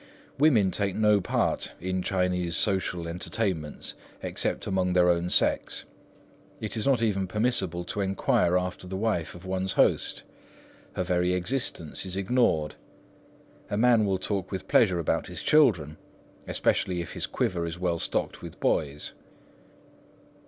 Women take no part in Chinese social entertainments except among their own sex. It is not even permissible to enquire after the wife of one's host. Her very existence is ignored. A man will talk with pleasure about his children, especially if his quiver is well stocked with boys.